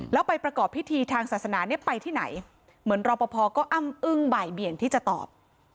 แล้วไปประกอบพิธีทางศาสนาเนี่ยไปที่ไหนเหมือนรอปภก็อ้ำอึ้งบ่ายเบี่ยงที่จะตอบ